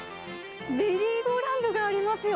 メリーゴーラウンドがありますよ。